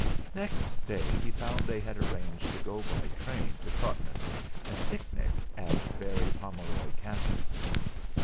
Next day he found they had arranged to go by train to Totnes, and picnic at Berry Pomeroy Castle.